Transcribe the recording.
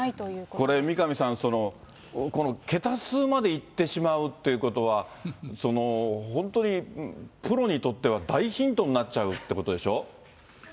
これ、三上さん、桁数まで言ってしまうということは、本当にプロにとっては大ヒントになっちゃうということでしょ。